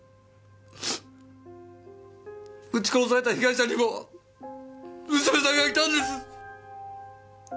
撃ち殺された被害者にも娘さんがいたんです！